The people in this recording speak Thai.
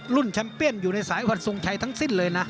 แชมเปียนอยู่ในสายวันทรงชัยทั้งสิ้นเลยนะ